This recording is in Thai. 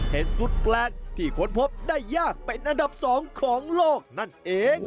สุดแปลกที่ค้นพบได้ยากเป็นอันดับ๒ของโลกนั่นเอง